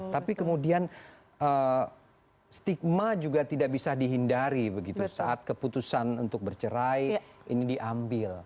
tapi kemudian stigma juga tidak bisa dihindari begitu saat keputusan untuk bercerai ini diambil